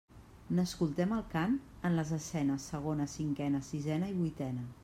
N'escoltem el cant en les escenes segona, cinquena, sisena i vuitena.